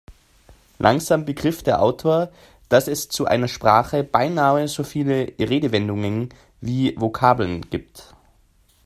Langsam begriff der Autor, dass es zu einer Sprache beinahe so viele Redewendungen wie Vokabeln gibt.